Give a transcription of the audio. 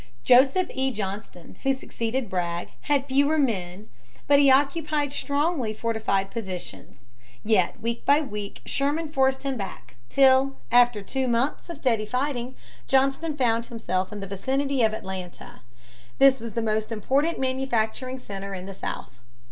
Joseph E. Johnston, who succeeded Bragg, had fewer men, but he occupied strongly fortified positions. Yet week by week Sherman forced him back till, after two months of steady fighting, Johnston found himself in the vicinity of Atlanta. This was the most important manufacturing center in the South.